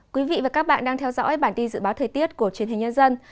quý vị và các bạn đang theo dõi bản tin dự báo thời tiết của truyền hình nhân dân